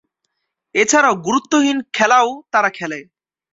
এছাড়াও, গুরুত্বহীন খেলায়ও তারা খেলে।